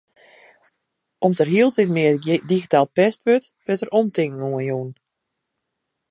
Om't der hieltyd mear digitaal pest wurdt, wurdt dêr omtinken oan jûn.